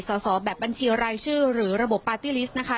สอบแบบบัญชีรายชื่อหรือระบบปาร์ตี้ลิสต์นะคะ